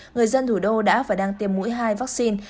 người dân thủ đô đã và đang tiêm mũi hai vaccine